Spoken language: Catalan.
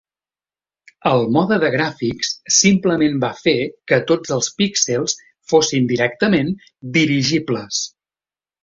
El mode de gràfics simplement va fer que tots els píxels fossin directament dirigibles.